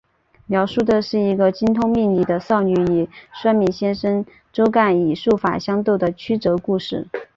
描述的是一个精通命理的少女与算命先生周干以术法相斗的曲折故事。